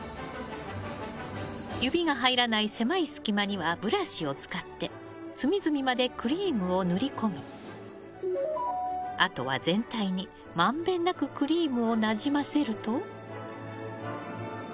指が入らない狭い隙間にはブラシを使って隅々までクリームを塗り込みあとは全体にまんべんなくクリームをなじませると。